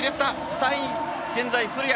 ３位、現在は古屋。